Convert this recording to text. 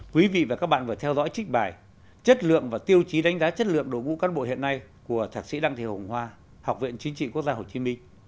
quý vị và các bạn vừa theo dõi trích bài chất lượng và tiêu chí đánh giá chất lượng đội ngũ cán bộ hiện nay của thạc sĩ đặng thị hồng hoa học viện chính trị quốc gia hồ chí minh